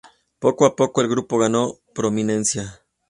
Poco a poco el grupo ganó prominencia.